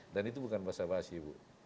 dan itu bukan bahasa bahasi bu